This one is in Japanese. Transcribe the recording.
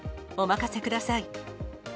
お任せください！